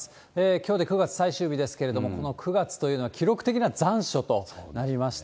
きょうで９月最終日ですけれども、この９月というのは、記録的な残暑となりました。